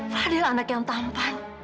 fadil anak yang tampan